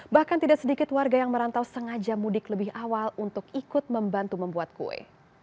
bahkan tidak sedikit warga yang merantau sengaja mudik lebih awal untuk ikut membantu membuat kue